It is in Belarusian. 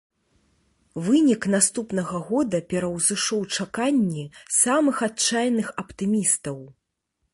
Вынік наступнага года пераўзышоў чаканні самых адчайных аптымістаў.